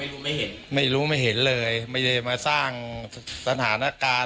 ไม่รู้ไม่เห็นไม่รู้ไม่เห็นเลยไม่ได้มาสร้างสถานการณ์